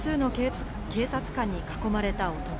複数の警察官に囲まれた男。